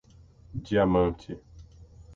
Diamante